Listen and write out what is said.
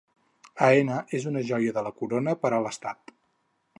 Aena és una joia de la corona per a l'estat